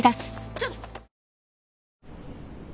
ちょっと。